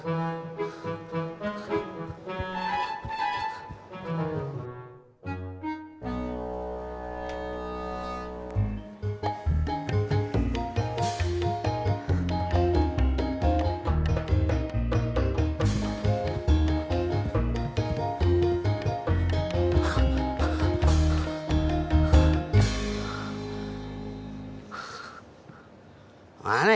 tunggu aku datang